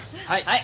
はい。